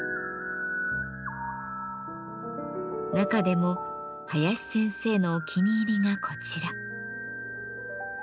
中でも林先生のお気に入りがこちら。